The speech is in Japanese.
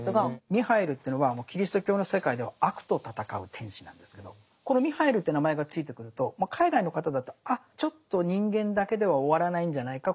ミハイルってのはもうキリスト教の世界では悪と戦う天使なんですけどこのミハイルって名前が付いてくると海外の方だと「あっちょっと人間だけでは終わらないんじゃないか